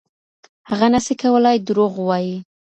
هغه نسي کولای دروغ ووایي.